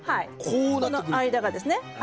この間がですねはい。